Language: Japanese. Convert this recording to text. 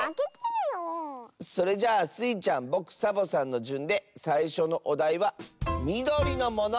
それじゃあスイちゃんぼくサボさんのじゅんでさいしょのおだいは「みどりのもの」！